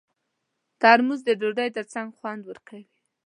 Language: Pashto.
ترموز د ډوډۍ ترڅنګ خوند ورکوي.